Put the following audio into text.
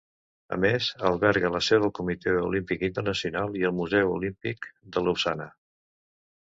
A més, alberga la seu del Comitè Olímpic Internacional i el Museu Olímpic de Lausana.